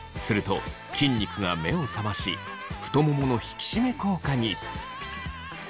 すると筋肉が目を覚まし太ももの引き締め効果に。